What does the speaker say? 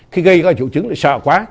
khi gây ra triệu chứng là sợ quá